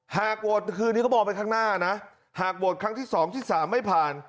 หากโหวดคืนนี้ก็บอกไปครั้งหน้านะหากโหวดครั้งที่สองที่สามไม่ผ่าน